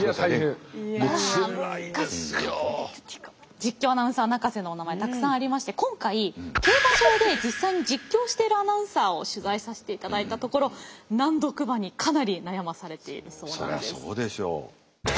実況アナウンサー泣かせのおなまえはたくさんありまして今回競馬場で実際に実況しているアナウンサーを取材させていただいたところ難読馬にかなり悩まされているそうなんです。